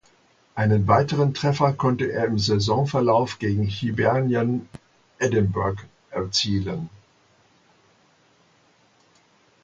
Einen weiteren Treffer konnte er im Saisonverlauf gegen Hibernian Edinburgh erzielen.